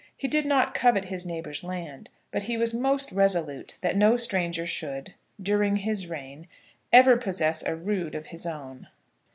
He did not covet his neighbour's land; but he was most resolute that no stranger should, during his reign, ever possess a rood of his own.